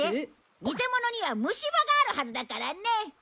ニセモノには虫歯があるはずだからね。